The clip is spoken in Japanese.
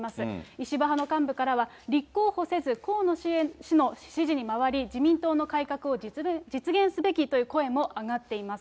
石破派の幹部からは、立候補せず、河野氏の支援に回り、自民党の改革を実現すべきという声も上がっています。